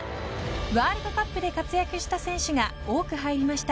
ワールドカップで活躍した選手が多く入りました。